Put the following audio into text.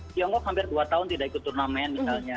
tiongkok hampir dua tahun tidak ikut turnamen misalnya